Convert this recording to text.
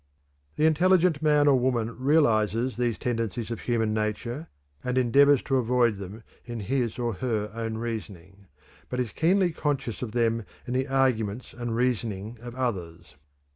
The intelligent man or woman realizes these tendencies of human nature and endeavors to avoid them in his or her own reasoning, but is keenly conscious of them in the arguments and reasoning of others.